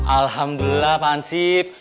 alhamdulillah pak ansyif